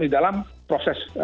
di dalam proses